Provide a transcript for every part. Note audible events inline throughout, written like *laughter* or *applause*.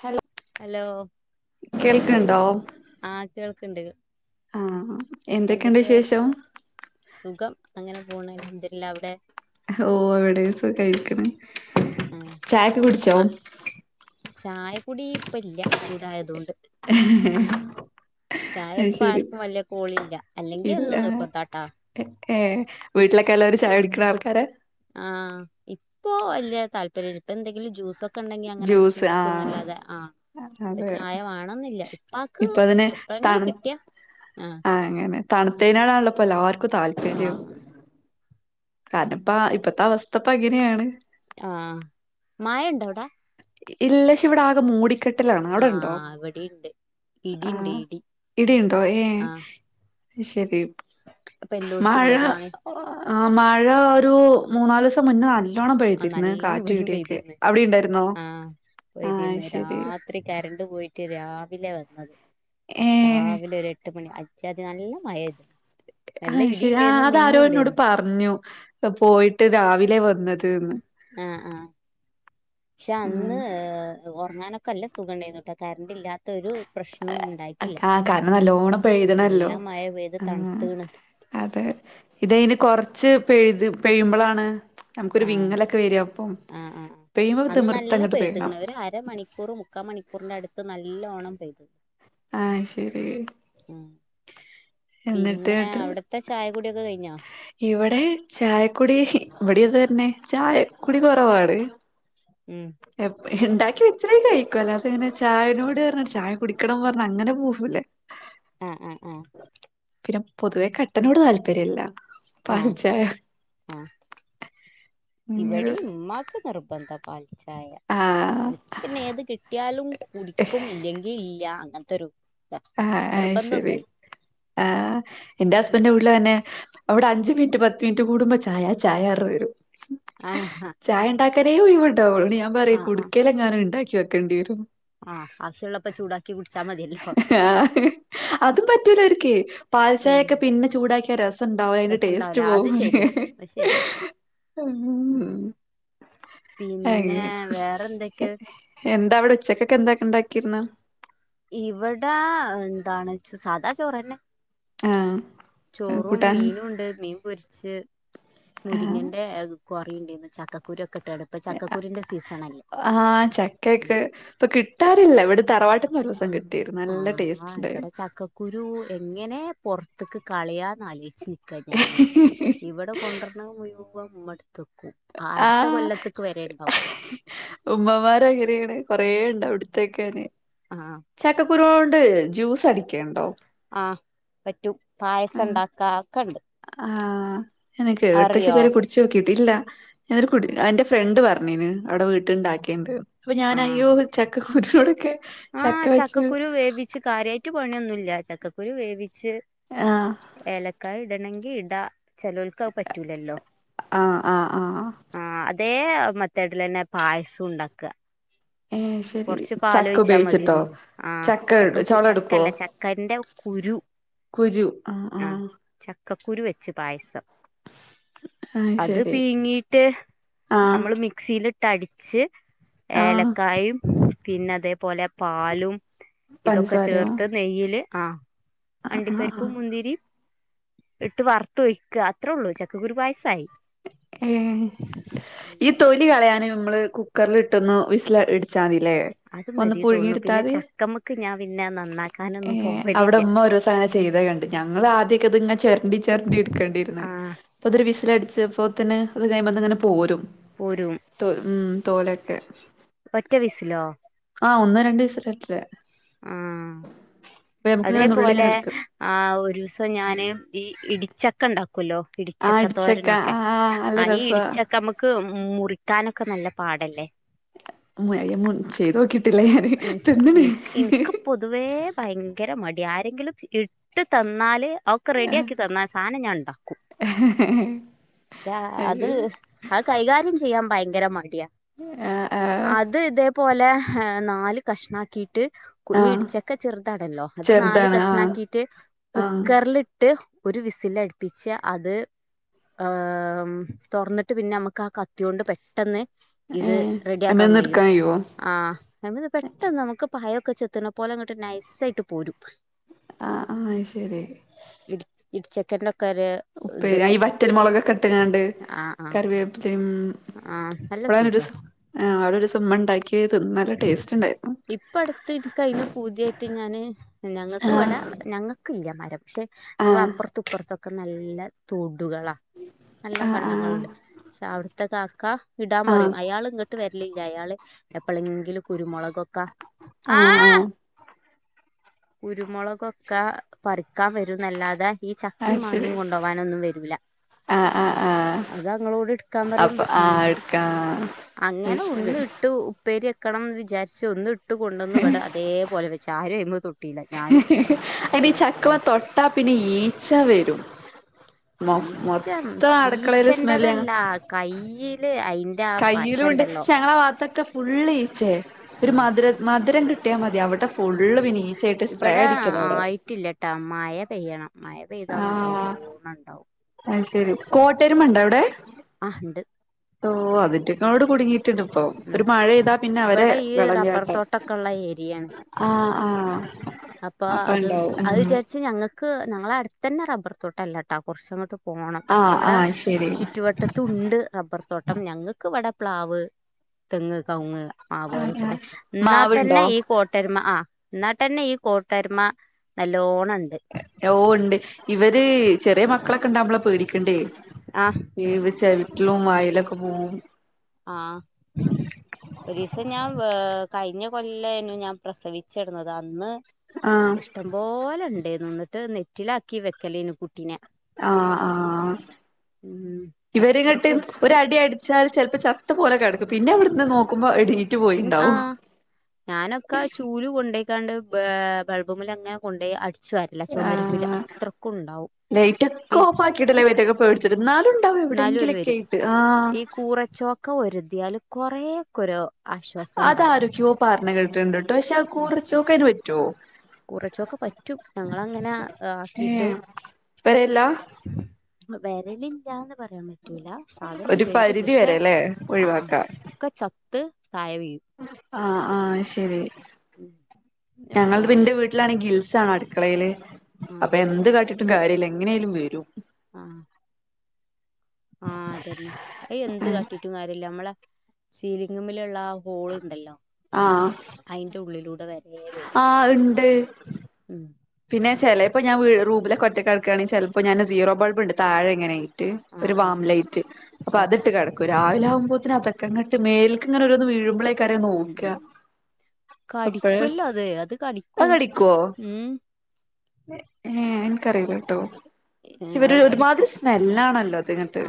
Hello hello ആഹ് കേൾക്ക്ണ്ട് കേൾ ആഹ്ഹാ എന്തൊക്കെ വർ സുഖം അങ്ങനെ പോണ് അൽഹംദിരില്ലാ. അവിടെ? ഓഹ് ഇവിടെയും സുഖയിരിക്ക്ണ്. ഉം ആഹ് ചായക്കുടീ ഇപ്പല്ല ചൂടായതോണ്ട്. അത് ശരി ചായപ്പാർക്കും വെല്ല്യ കോളില്ല അല്ലെങ്കി എന്നും നിർബന്ധാട്ടാ. ക്കെ ഏഹ് വീട്ടിലൊക്കെ എല്ലാരും ചായുടിക്ക്ണ ആൾക്കാര. ആഹ് ഇപ്പോ വെല്യ താല്പര്യല് പ്പെന്തെങ്കിലു ജ്യൂസൊ ക്കണ്ടെങ്കി അങ്ങനെ അട്ച്ചു ജ്യൂസ് ആഹ് കുടിക്കുന്നല്ലാതെ ആഹ് ഇപ്പ അതെ ചായ വാണന്നില്ല. മ്മാക്ക് ഇപ്പ അതിന് എപ്പളെങ്കിലു തണു കിട്ടിയാ ആഹ്. അങ്ങനെ തണ്‌ത്തീനാണല്ലപ്പൊ എല്ലാർക്കും ആ താല്പര്യം. കാര്ണപ്പ ഇപ്പത്തെ അവസ്ഥപ്പങ്ങനേണ്. ആഹ് മയണ്ടവ്ടെ? ഇല്ലക്ഷ ഇവിടാകെ മൂടിക്കെട്ട് ട്ട്ലാണ് ആ അവിടെണ്ടോ? ഇവിടെണ്ട് ഇടിണ്ട് ഇടി ഉണ്ട്, ആഹ് ഇടി. ഇടിണ്ടോ? ഏഹ് ആ അശരി ഇപ്പൊ എല്ലോടത്തും മഴ ഉള്ളതാണ് അ് മഴ ഒരു മൂന്നാലൂ സം മുന്നേ നല്ലോണം ആ പെഴ്തിര്ന്ന് നല്ലോണം കാറ്റ് ഇവിടെയും ഇടിയൊക്കെ. പെയ്തിരുന്നു അവിടിണ്ടയിരുന്നോ? ആഹ് പെയ്തീന്ന് രാത്രി കരണ്ട് പോയിട്ട് രാവിലെ വന്നത്. ഏ രാവിലെ ഒരു എട്ട് മണി അജ്ജാതി നല്ല മയെയ്ത്ക്ക്ണ്. അഹ് ശരി ആ അതാരോ ഇന്നോട് പറഞ്ഞു പോയിട്ട് രാവിലെ വന്നത് ന്ന്. ആഹ് ആഹ് പക്ഷേ അന്ന് ഉം അ് ഒറങ്ങാനൊക്കെ നല്ല സുഖണ്ടയ്നു ട്ടോ. കറണ്ട് ഇല്ലാ ത്തൊരു പ്രശ്നോം ഉണ്ടായിട്ടില്ല. ആ കാരണം നല്ലോണം നല്ല പെയ്തണല്ലോ മഴ പെയത് ആഹ് തണ്ത്ത്ണ്. അതെ ഇതെയിന് കൊറ്ച്ച് പെഴുത് പെയ്യുമ്പളാണ് നമുക്കൊരു ആഹ് വിങ്ങലൊക്കെ വര. അപ്പം ആഹ് ആഹ് പെയ്യുമ്പോ തിമിർത്തങ്ങട്ട് പെയ്യണം. അര മണിക്കൂർ മുക്കാ മണിക്കൂറിന്റടുത്ത് നല്ലോണം പെയ്ത്. ആശരി പിന്നെ അവിടത്തെ ചായ കുടിയൊക്കെ കഴിഞ്ഞോ ഇവിടെ ചായക്കുടി ഇവിടെ ഇത് തന്നെ ചായക്കുടി കുറവാണ് ഉം ഇണ്ടാക്കി വെച്ച കഴിക്കും അല്ലാതെ അങ്ങനെ ചായനോട് പറഞ്ഞ ചായ കുടിക്കണം പറ അങ്ങനെ പോവൂല്ല ആഹ് ആഹ് ആഹ് പിന്നെ പൊതുവെ കട്ടനോട് താല്പര്യല്ല ആഹ് പാൽച്ചായ ആഹ് അങ്ങനെ ഇവിടേം ഉമ്മക്ക് നിർബന്ധം പാൽച്ചായ ആഹ് ഇൻക്ക് പിന്നെ ഏത് കിട്ടിയാലും കുടിക്കും ഇല്ലെങ്കിൽ ഇല്ല അങ്ങനത്തൊരു ആഹ് അയ്ശരി ആഹ് എന്റെ ഹസ്ബന്റിന്റെ വീട്ടിലും അതെന്നെ അവിടെ അഞ്ച് മിനിറ്റ് പത്ത് മിനിറ്റ് കൂടുമ്പോ ചായ ചായാറഞ്ഞ് വരും ആഹാ ചായ ഉണ്ടാക്കാനേ ഉയുവുണ്ടാവൂ ഞാൻ പറയും ആഹ് കുടിക്കേൽ എങ്ങാനും ഉണ്ടാക്കി വെക്കേണ്ടി വരും ആഹ് ആവശ്യമുള്ളപ്പ ചൂടാക്കി കുടിച്ചാ മതിയല്ലോ ആഹ് അതും പറ്റൂല ഒരിക്ക്‌ ഉം പാൽചായൊക്കെ പിന്നെ ചൂടാക്കിയാ രസോണ്ടാവുല അയിന്റെ ടേസ്റ്റ് പോവും പ്പ ശരി ഉം പിന്നെ അങ്ങനെ വേറെന്തൊക്കെ എന്താ അവിടെ ഉച്ചക്കൊക്കെ എന്താ ഉണ്ടാക്കിയിരുന്നെ ഇവിടെ എന്താണ് ച്ച സാദാ ചോറ്നെ ആഹ് ചോറും കൂട്ടാൻ മീനുണ്ട് മീൻ പൊരിച്ച് ആഹ് മുരിങ്ങിന്റെ ഏഹ് കറിണ്ടന്ന് ചക്കക്കുരു ഒക്കെ ഇട്ട്ണ്ട് ഇപ്പൊ ചക്കക്കുരുന്റെ സീസൺ അല്ലേ ആഹ് ചക്കെക്കെ ഇപ്പൊ കിട്ടാറില്ല ഇവിടെ തറവാട്ടി ന്ന് ഒരിസം കിട്ടിരുന്നു നല്ല ടേസ്റ്റ് ഉണ്ടായിരുന്നു കുരു എങ്ങനെ പുറത്തക്ക് കളയാന്ന് ആലോയിച്ച് നിക്ക ഞാന് ഇവിടെ കൊണ്ടുവരണത് മുയുവൻ ഉമ്മെടുത്തെക്കും അടുത്ത കൊല്ലത്തക്ക് വരെ ഉണ്ടാവും ഉമ്മമാരങ്ങനെയാണ് കൊറേണ്ടാവും ഇട്ത്ത് വെക്കന് ആഹ് ചക്കക്കുരു കൊണ്ട് ജ്യൂസ് അടിക്കട്ടോ ആഹ് പറ്റും പായസം ഉം ഇണ്ടാക്ക ഒക്കെണ്ട് ആഹ് ഞാൻ കേട്ട് ക്ഷേ അറിയോ ഇതുരെ കുടിച്ചു നോക്കിട്ടില്ല ഞാതുവരെ കുടി ഉം എന്റെ ഫ്രണ്ട് പറഞ്ഞിന് അവിടെ വീട്ടിലുണ്ടാക്കലുണ്ട് അപ്പൊ ഞാൻ ആഹ് അയ്യോ ചക്കക്കൂരുടൊക്കെ ആഹ് ചക്കക്കുരു വേവിച്ച് കാര്യായിട്ട് പണിയൊന്നുല്ല ചക്കക്കുരു വേവിച്ച് ആഹ് ഏലക്കായ ഇടണങ്കി ഇടാ ചെലോൽക്ക്‌ അത് പറ്റൂലല്ലോ ആഹ് ആഹ് ആഹ് ആഹ് അതേ മെത്തേടിലന്നെ പായസുണ്ടാക്ക ഉം ചക്ക ഉപയോഗിച്ചിട്ടൊ മതിയെന്നുള്ളൂ ആഹ് ചക്ക ചക്കക്കു ചൊള ഇട്ക്കോ ചക്കല്ല ചക്കന്റെ കുരു കുരു ആഹ് ആഹ് ചക്കക്കുരു വെച്ച് പായസം അത് പീങ്ങിയിട്ട് ആഹ് നമ്മള് മി മിക്സീലിട്ടടിച്ച് ആഹ് ഏലക്കായും പിന്നെ അതേപോല പാലും ഇതൊക്ക പഞ്ചസാരയോ ചേർത്ത് നെയ്യില് ആഹ് ആഹ് ആഹ് അണ്ടിപ്പരിപ്പും ആഹ് മുന്തിരി ഇട്ട് വറുത്തൊഴി‌ക്ക അത്രൊള്ളു ചക്കകുരു പായസായി ഈ തൊലി കളയാന് നമ്മള് കുക്കറിലിട്ടൊന്ന് വിസില് ഇട് ച്ചാന്തിലേ ഒന്ന് പുഴുങ്ങി ഇട്ത്താല് കമക്ക് ഞാൻ പിന്നെ നന്നാക്കി ഏഹ് അവ്ടെ ഉമ്മ ഒരൂസം അങ്ങന ചെയ്തത് കണ്ട് ഞങ്ങളാ ആദ്യൊക്കിത് ഇങ്ങന ചൊരണ്ടി ചൊരണ്ടി ഇട്ക്കണ്ടെര്ന്ന് ആഹ് അപ്പതൊരു വിസിലടിച്ചപ്പോത്തിന് അത് അഴ്മ്മന്നിങ്ങന പോരും പോരും തോ ഉം തോലൊക്കെ ഒറ്റ വിസിലോ ആഹ് ഒന്നൊ രണ്ടൊ വിസില *unintelligible* ആഹ് അതേ നമുക്കിങ്ങനെ നുള്ളി പോലെ ഇങ്ങനെ എടുക്കും ആഹ് ഒരൂസം ഞാന് ഈ ഇടിച്ച ഒക്ക ഇണ്ടാക്കല്ലൊ ആഹ് ഇടിച്ചക്ക തോരനൊക്കെ ആഹ് നല്ല ആഹ് ഈ രസാ ഇടിച്ചക്ക നമ്മ ക്ക് മുറിക്കാനൊക്ക നല്ല പാടല്ലെ അയ്യ മുൻ ചെയ്ത് നോക്കീട്ടില്ല ഞാന് ഉം, തിന്ന്ണ് എനിക്ക് എനിക്ക് പൊതുവേ ഭയങ്കര മടിയ ആരെങ്കിലും ഇട്ട് തന്നാല് ക്കൊ റെഡിയാക്കി തന്ന സാധനം ഞാൻ ഇണ്ടാക്കും അത് അത് കൈകാര്യം ചെയ്യാൻ ഭയങ്കര മടിയാ ആഹ് ആഹ് അത് ഇതേപോലെ നാല് കഷ്ണാക്കീട്ട് ഈ ആഹ് ഇടിച്ചക്ക ചെറ്താണല്ലൊ അത് നാല് ചെറുതാണ് ആഹ് കഷണാക്കീട്ട് ആഹ് കുക്കർലിട്ട് ഒരു വിസിലട്പ്പിച്ച അത് ഏഹ് തൊറ്ന്നിട്ട് പിന്നെ നമുക്ക് ആഹ് കത്ത്യോണ്ട് പെട്ടെന്ന് ഇത് ഏഹ് റെഡിയാക്ക അയ്മന്ന് കയ്യും എടുക്കാൻ കഴിയോ ആഹ് അയ്മന്ന് പെട്ടെന്ന് നമുക്ക് പയൊക്കെ ചെത്ത്ണ പോലെ ഇങ്ങ്ട്ട് നൈസായിട്ട് പോരും ആഹ് ആഹ് അയ് ശരി ഇടി ഇടിചക്കന്റെക്കൊര് ഉപ്പേരി ഈ വറ്റൽ മുളകൊക്ക ഇട്ട്ങ്ങാണ്ട് ആഹ് ആഹ് കറിവേപ്പിലിം ആഹ് നല്ല സുഖ അവിടെ ഒരു ദിവസം ഉമ്മ ഉണ്ടാക്കി തിന്ന് നല്ല ടേസ്റ്റ് ഉണ്ടായിരുന്നു ഇപ്പ അടുത്ത് ഇൻക്കയിന് പൂത്യായിട്ട് ഞാന് ഞങ്ങക്ക് ഇവിട ആഹ് ഞങ്ങ ക്കില്ല മരം പക്ഷെ നങ്ങളെ ആഹ് അപ്പർത്തപ്പു ഇപ്പർത്തൊക്ക നല്ല തൊടുകള നല്ല ആഹ് കണ്ടങ്ങള്ണ്ട് പക്ഷെ അവിടു ത്തകാക്ക ഇടാൻ ആഹ് പറയും അയാള് ഇങ്ങ്ട്ട് വര്ലില്ല അയാള് എപ്പളെങ്കിലും കുരുമുളകൊക്ക ആഹ് കുരുമുളകൊക്ക പറിക്കാൻ വരുംന്നല്ലാതെ ഈ ചക്കിം അത് ശരി മാങ്ങിം കൊണ്ടോവാനൊന്നും വരൂല ആഹ് ആഹ് ആഹ് അത് ഞങ്ങളോട് ഇട്ക്കാ പറിയ് അപ്പൊ ആഹ് എടുക്കാം അത് അങ്ങനെ ശരി ഒന്ന് ഇട്ടു ഉപ്പേരിവെക്കണംന്ന് വിചാരിച്ച് ഒന്ന് ഇട്ട് കൊണ്ടന്ന് ഇവിട അതേപോല വെച്ച് ആരും അയ്മതൊട്ട് അയിന് ചക്കമെ തൊട്ട പിന്നെ ഈച്ച വരും മൊ ഈച്ചം മൊത്തം അടുക്കളയില് സ്മെല്ല് ഈച്ചന്റെതല്ല കയ്യില് അയിന് കയ്യിലുണ്ട് പക്ഷെ ഞങ്ങളെ ഭാഗത്തൊക്കെ ഫുള്ളീച്ചേ ഒരു ആ മധുര മധുരം കിട്ടിയാ മതി അവിടെ ഫുള്ള് പിന്നെ ഈച്ചയായിട്ട് സ്പ്രേ ഇവിടെ അടിക്കല അവിടെ ആയിട്ടില്ല ട്ടോ മഴ പെയ്യണം മയ പെയ്ത നല്ലോണണ്ടാവും അയ്ശെരി കോട്ടരമ ഉണ്ട വിടെ ആ ഇണ്ട് ഓ അതിറ്റങ്ങളോട് കുടുങ്ങി ണ്ട്പ്പോ ഉം ഒരു മഴെയ്താ പിന്നെ അവരെ ഇവിടെ ഈ റബ്ബർ വിളഞ്ഞാട്ട തോട്ടൊക്കെള്ള ഏരിയാണ് ആഹ് ആഹ് അപ്പൊ അപ്പ അതും ഇണ്ടാവും അത് ഉം വിചാരിച്ച് ഞങ്ങക്ക് ഞങ്ങളെ അടുത്ത തന്നെ റബ്ബർ തോട്ടല്ലട്ടാ കുറച്ചങ്ങോട്ട് പോണം പക്ഷെ ആഹ് അവിടെ ആഹ് ശരി ചുറ്റുവട്ടത്തുണ്ട് റബ്ബർ തോട്ടം ഞങ്ങൾക്ക്വ്ടെ പ്ലാവ് തെങ്ങ് കവുങ്ങ് മാവ് ആഹ് അതൊക്കെ പ ആഹ് ഇന്നാ തന്നെ മാവുണ്ടോ ഈ കോട്ടരുമ ആ എന്നാട്ടന്നെ ഈ കോട്ടരമ നല്ലോണം ഉണ്ട് ഓ ഇണ്ട് ഇവര് ചെറിയ മക്കളൊക്കെ ഉണ്ടാവുമ്പോളോ പേടിക്കണ്ടേ ആഹ് ഈവ് ചവിട്ടിലും വായിലൊക്കെ പോവും ആഹ് ഒരീസംഞാം വേ കയ്ഞ്ഞ കൊല്ലെയ്നു ഞാ പ്രസവിച്ചടന്നത് അന്ന് ആഹ് ഷ്ടം പോല ണ്ടെര്ന്നു. ന്നട്ട് നെറ്റിലാക്കി വെക്കലേയ്നു കുട്ടിന. ആഹ് ആഹ് ഉം ഇവരിങ്ങട്ട് അത്രക്കും ഒര ടി അടിച്ചാൽ ചെലപ്പോ ചത്ത പോല കെടക്കും പിന്ന അവിട്ന്ന് നോക്കുമ്പ എടീ പിൻ ആഹ് ഞാനൊക്ക ചൂല് കൊണ്ടെയ്കാണ്ട് ബേ ബൾബ് മെല ങ്ങനെ കൊണ്ടോയി അടിച്ച്‌ ച്ചുവാര്ല്ല ചൊമരുമ്മല് ആഹ് അത്രക്കും ണ്ടാവും പിരി കിട്ലെ ബെറ്റക്ക പേടിച്ചിട്ട് എന്നാ ലു ന്നാലു ഓല് വെരും ഈ കൂറച്ചോക്ക ഒരതിയാല് കൊറേ ക്കൊരൊ അതാരൊക്ക്യോ പറഞ്ഞ്. കേട്ടിട്ട്ണ്ട് ട്ടോ പക്ഷേ അ കൂറ ചോക്കേ അയന് പറ്റ് വോ കൂറച്ചൊക്ക പറ്റും ഞങ്ങളങ്ങന അ അക്കിട്ട് ഏഹ് വരെല്ല *unintelligible* വേരലിൻ ല്ലാന്ന് പറയാം പറ്റൂല സാധനം ഒരു വെരും പരിധി പക്ഷേ വരെല്ലേ ആഹ് ഒഴിവാക്കാം ക്ക ചത്ത് താഴ വീഴും ആഹ് ആഹ് ശരി ഉം പിന്നെ ഞങ്ങൾത് തിപ്പന്റ ഫോണിൽ വീട് ലാണെ ഗിൽസാണ അട്ക്കളെല് ആഹ് അപ്പ എന്ത് കാട്ടിട്ടും കാര്യല്ല എങ്ങനെലും വെരും ആഹ് ആഹ് അതന്നെ അയ് എന്ത് കാട്ടിട്ടും കാര്യല്ല നമ്മളസീലങ്ങമ്മില് ള്ള ഹോള് ണ്ടല്ലോ ആഹ് അയ്ന്റ ഉള്ളിലൂടെ വെര് ആഹ് ഇണ്ട്. ഉം പിന്നെ ചെലേപ്പ ഞാ വ്ഴ് റൂബിലൊക്കൊറ്റക്കടക്കാണെ ചെൽപ്പോ ഞാന് സീറോ ബൾബ്ണ്ട് താഴെ ങ്ങനെയ് റ്റ് ആഹ് ഒര് ആഹ് വാംലൈറ്റ് അപ്പ ആഹ് അത്ട്ട് കെടക്കു രാവ് ലാ വ്മ്പോത്തെന് അതക്കങ്ങട്ട് മേൽക്ക്ങ്ങനൊരൊന്ന് വീഴ്‌മ്പ്ളെ ക്കരം ഉം നോക്ക ഉം അപ്പഴ് കടിക്കുവല്ലോ അത് അത് അത് കടിക്കും കടിക്കുവോ ഉം ഹ് ഏഹ് എൻക്കറിലട്ടോ ഏ, പക്ഷെ വര് അത് കടിക്കും ഒരുമാതിരി സ്മെല്ലാണല്ലോ അത്ങ്ങട്ട്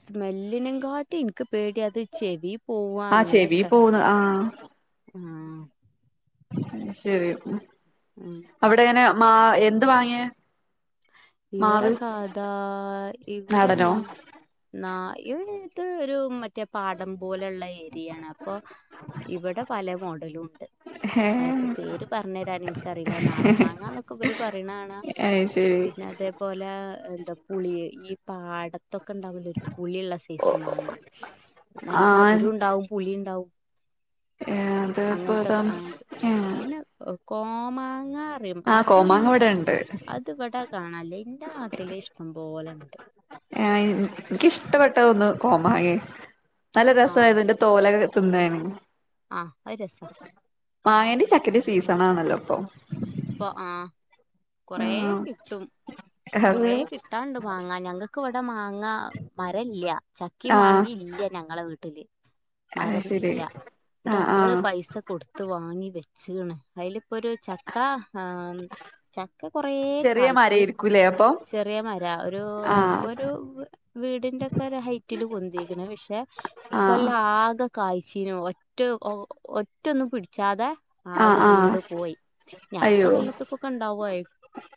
സ്മെല്ലിനേ കാട്ടി ഇൻക്ക് പേടിയത് ചെവി പോവ്വ ആഹ് ചെവി അങ്ങനക്കെ പോവുന്ന ആഹ് ആഹ് ശരി ഉം അവടെങ്ങ്നെ മാ എന്ത് മാങ്ങയെ ഇവ്ട സാധാ ഇവട നാടനോ ഞങ്ങ് ന്നായ് ഇത് രു മറ്റേ പാടം പോലെള്ള ഈ എരിയാണ് അപ്പൊ ഇവട പല മോഡലൂണ്ട്. അയ്പ്പ ഏഹ് പേര് പറഞ്ഞെരാൻ എനിക്കറില നാടം മാങ്ങന്നൊക്ക ഇബല് പറേണ കാണാ അയ് ശെരി അതേപോല എന്താ പുളിയ് ഈ പാട ത്തൊക്ക ഇണ്ടാവുലെ ഒര് പുളിയൊള്ള സൈസ് മാങ്ങ നല്ല മധ് ആഹ് രുണ്ടാവും പുളിണ്ടാവും ഏഹ് അത് അങ്ങൻത്തൊക്ക ഇപ്പതാ അങ്ങനത്തെ ഏഹ് പിന്ന അവൗ കോമാങ്ങാറെം ആഹ് അത്ന്നു കോമാങ്ങ ഇവിടെ ഉണ്ട് അ ത് ഇബട കാണൻല്ല എന്റ നാട്ടില് ഇഷ്ടം പോലെണ്ട് ഞായിം എനിക്കിഷ്ടപ്പെട്ടതൊന്ന് കോമങ്ങെ നല്ല രസവാ ആഹ് ഇത് ന്റ തോലെക തിന്നാന് ആഹ് അത് രസാ മാങ്ങന്റ ചക്കെടെ സീസണാണല്ലോ ഇപ്പൊ ഇപ്പ ആഹ് കൊറേ ആഹ് കിട്ടും അത് കൊറേ കിട്ട് ട്ടാണ്ട് മാങ്ങ ഞങ്ങക് ക്ക് ഇവിടെ മാങ്ങാ മരല്ല്യ ചക്കിം ആഹ് മാങ്ങിം ഇല്ല്യ ഞങ്ങളെ വീട്ടില് അത് മരം ശരി ഇല്ല എന്നട്ട് ആഹ് അങ്ങള് ആഹ് പൈസ കൊടുത്ത് ത്ത് വാങ്ങി വെച്ചക്ണ് അതിലിപ്പൊ ഒരു ചക്ക ആ ചക്ക കൊറേ ചെറിയ കായ്ച്ച് മരായിരിക്കൂലേ അപ്പൊ ചെറിയ മരാ ഒരു ആഹ് ഇപ്പൊ ഒരു വീടിന്റെക്കെ ഒരു ഹൈറ്റില് പൊന്തിക്ക്ണ് പക്ഷെ ആഹ് ഇക്കൊല്ലം ആകെ കായ്ച്ചീന്ന് ഒറ്റ ഒറ്റൊന്നും പിടിച്ചാതെ ആഹ് ആകെ ആഹ് വീണു പോയി എനി അടുത്ത അയ്യോ കൊല്ലത്ത്ക്കൊക്കെ ഉണ്ടാവുവായി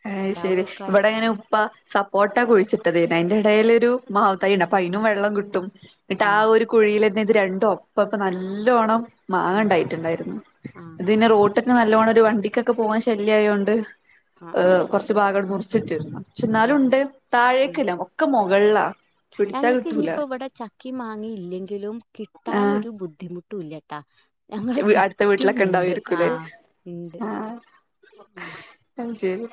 അയ് ശെരി ഇവിടെ ഇങ്ങനെ ഉപ്പാ സപ്പോർട്ടാ കുഴിച്ചിട്ടത്ന്നെ അതിന്റെ ഇടല്ലൊരു മാവ് തൈയിണ്ട് അപ്പൊ അയിനും വെള്ളം കിട്ടും എന്നിട്ട് ആ ഒരു കുഴിൽ തന്നെ ഇത് രണ്ടും ഒപ്പപ്പം നല്ലോണം ആ മാങ്ങണ്ടായിട്ടുണ്ടായിരുന്നു ആ ഇത് പിന്നെ റോട്ട്ക്ക്നല്ലോണം ഒരു വണ്ടിക്കൊക്കെ പോവാൻ ശല്യമായൊണ്ട് ആ ഹ് കൊറച്ച് ഭാഗങ്ങന്ഡ് മുറിച്ചിട്ട് പക്ഷെ ആ ആ എന്നാലും ആ ഉണ്ട് ഉം താഴേക്കല്ല ഒക്കെ മുകൾ ളാ ഞങ്ങൾക്ക് ഇഞ്ഞിപ്പോ ഇവടെ ചക്കിം മാങ്ങിംയില്ലെങ്കിലും ആഹ് കിട്ടാനൊരു ബുദ്ധിമു ട്ടുംല്ല ട്ടാ അടുത്ത വീട്ടിലൊക്കെ ഇണ്ടാവേരിക്കു ഉണ്ട് ല്ലെആഹ് അയ് ശെരി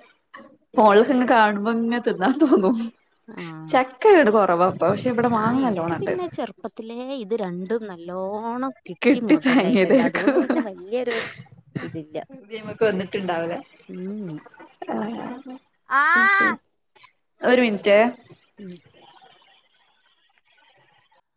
ഫോണിലൊക്കെ ഇങ്ങനെ കാണുമ്പോ ഇങ്ങനെ തിന്നാൻതോന്നും ആഹ് ചക്ക ഇവടെ കൊറവാട്ടോ പക്ഷെ ഇവടെ മാങ്ങ നല്ലോണംണ്ട് പ്പത്തിലെ ഇത് രണ്ടും നല്ലോണം കിട്ടി കെട്ടി മൊതലായിട്ടുണ്ട് അതുകൊണ്ട് താങ്ങിയതായിരിക്കും പിന്നെ വല്ല്യരു ഇതില്ല മ്മക്ക് കി ഉംഉം ആ ആ തീർച്ചയായും ഒരു മിന് റ്റേ ഉം